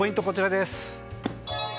こちらです。